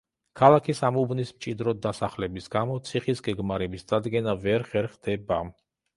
ქალაქის ამ უბნის მჭიდროდ დასახლების გამო ციხის გეგმარების დადგენა ვერ ხერხდება.